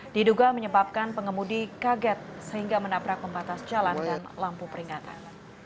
diduga menyebabkan pengemudi kaget sehingga menabrak pembatas jalan dan lampu peringatan